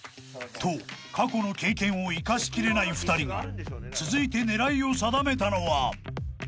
［と過去の経験を生かしきれない２人が続いて狙いを定めたのは］